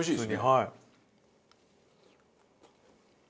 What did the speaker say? はい。